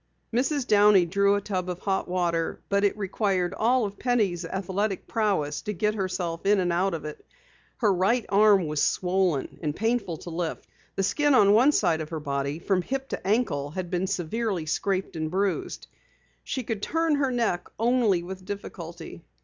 Mrs. Downey drew a tub of hot water, but it required all of Penny's athletic prowess to get herself in and out of it. Her right arm was swollen and painful to lift. The skin on one side of her body from hip to ankle had been severely scraped and bruised. She could turn her neck only with difficulty.